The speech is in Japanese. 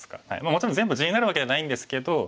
もちろん全部地になるわけではないんですけど。